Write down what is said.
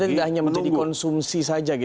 jadi kita tidak hanya menjadi konsumsi saja gitu